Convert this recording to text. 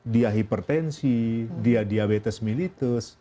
dia hipertensi dia diabetes melitus